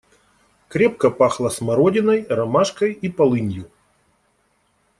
Крепко пахло смородиной, ромашкой и полынью.